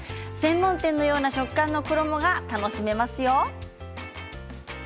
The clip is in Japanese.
専門店のような食感の衣が楽しめますよ。